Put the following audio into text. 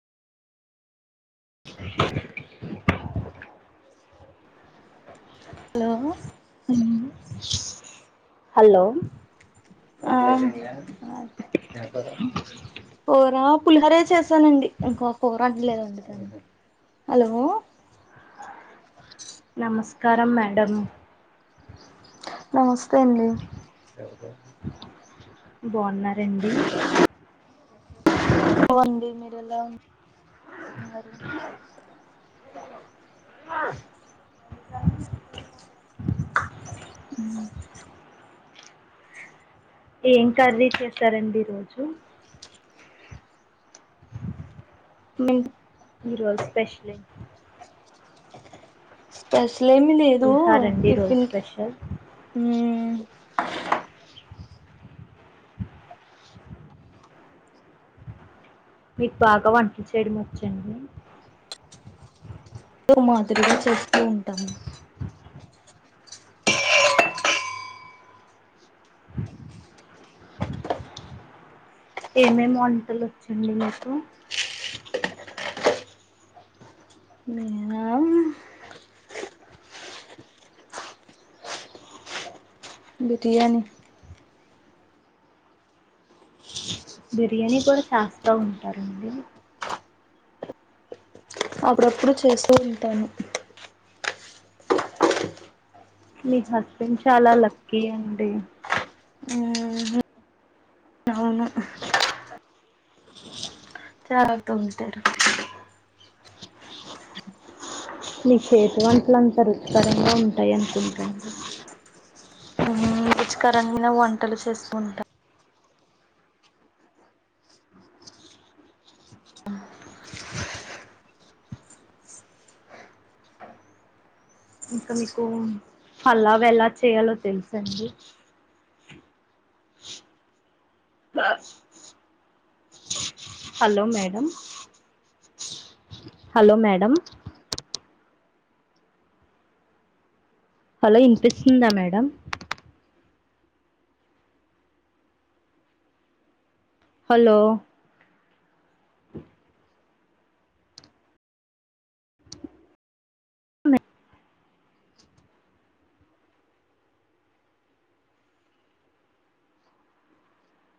hello hello ఆ పులిహరే చేసానండి ఇంకో ఫోర్ అంటలేదండి త హలో నమస్కారంారం మేడం నమస్తే అండి బాగున్నారంండి లా ఆ అ ఏం కర్రీ చేస్తారండి ఈ రోజు మీ హీరో స్పెషలీ స్పేష స్లేమి లేదు పులిహోరండి ఈరోజు టిఫన్కి స్పెషల్ మీకు బాగా వంటి చేయడం వచ్చడి మాదిరిగా చేస్తూ ఉంటాము ఏమేమి వంటలు వచ్చండి మీకు నేనా బిర్యానీ బిర్యానీ కూడా చేస్తా ఉంటారండి అప్పుడప్పుడు చేస్తూ ఉంటాను మీ హస్బెండ్ చాలా లక్కీ అండి మ్మ్ అవును చాల తంటరు నీ చేటు వంటలు అంతా రుచికరంగా ఉంటాయి అనుకుంటాను రుచికరంగాైన వంటలు చేస్తంటాారు ఇంకా మీకు అల్లావ ఎలా చేయాలో తెలుస అండి హలో మేడ హలోలో మేడమ్ హలో ఇనిపిస్తుందా మేడం హలో దె